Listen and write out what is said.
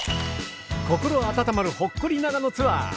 心温まるほっこり長野ツアー